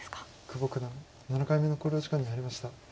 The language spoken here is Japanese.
久保九段７回目の考慮時間に入りました。